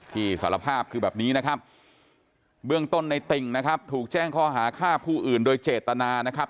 สารภาพคือแบบนี้นะครับเบื้องต้นในติ่งนะครับถูกแจ้งข้อหาฆ่าผู้อื่นโดยเจตนานะครับ